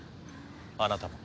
あなたも。